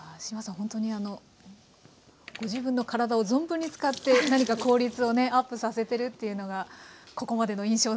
ほんとにあのご自分の体を存分に使って何か効率をねＵＰさせてるっていうのがここまでの印象です。